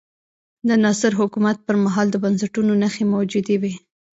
د ناصر حکومت پر مهال د بنسټونو نښې موجودې وې.